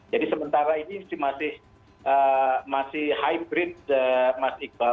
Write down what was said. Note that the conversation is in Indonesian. jadi sementara ini masih hybrid mas iqbal